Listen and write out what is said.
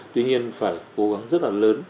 tuy nhiên phải cố gắng rất là lớn